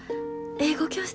英語教室？